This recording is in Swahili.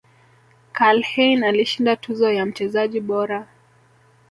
Karlheine alishinda tuzo ya mchezaji bora